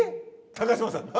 高嶋さんが？